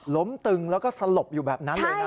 ตึงแล้วก็สลบอยู่แบบนั้นเลยนะ